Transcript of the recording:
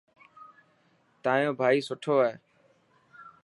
تايون ڀائي سٺو هي.